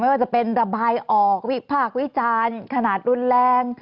ว่าจะเป็นระบายออกวิพากษ์วิจารณ์ขนาดรุนแรง